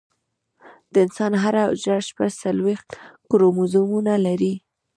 د انسان هره حجره شپږ څلوېښت کروموزومونه لري